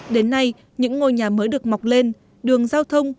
đến nay những ngôi nhà mới được mọc lên đường giao thông